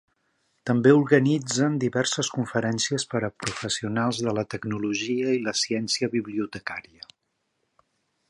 També organitzen diverses conferències per a professionals de la tecnologia i la ciència bibliotecària.